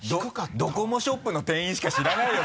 ドコモショップの店員しか知らないよ